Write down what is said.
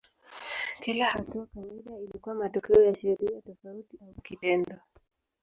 Kila hatua kawaida ilikuwa matokeo ya sheria tofauti au kitendo.